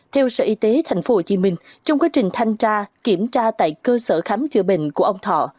theo sở y tế tp hcm trong quá trình thanh tra kiểm tra tại cơ sở khám chữa bệnh của ông thọ